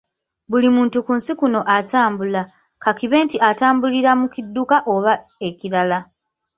Buli muntu ku nsi kuno atambula, ka kibe nti otambulira mu kidduka, oba ekirala.